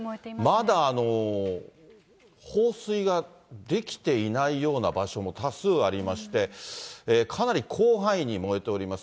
まだ放水ができていないような場所も多数ありまして、かなり広範囲に燃えております。